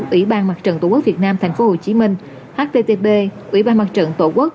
ủy ban mặt trận tổ quốc việt nam tp hcm http ủy ban mặt trận tổ quốc